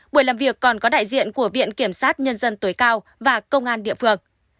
buổi làm việc còn có đại diện của viện kiểm sát nhân dân tối cao và công an địa phương